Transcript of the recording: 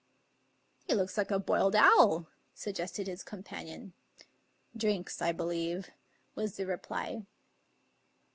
" He looks like a boiled owl," suggested his companion. " Drinks, I believe," was the reply.